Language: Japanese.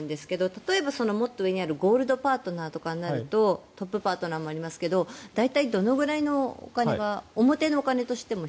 例えば、もっと上にあるゴールドパートナーとかになるとトップパートナーもありますが大体どのくらいのお金が表のお金としても。